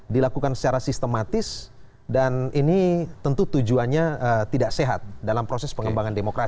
dilakukan secara sistematis dan ini tentu tujuannya tidak sehat dalam proses pengembangan demokrasi